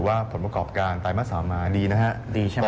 หภงคอดกล่อการตายมาสามมานะดีนะฮะ